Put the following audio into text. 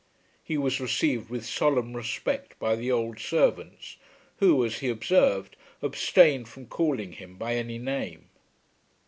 He was received with solemn respect by the old servants who, as he observed, abstained from calling him by any name.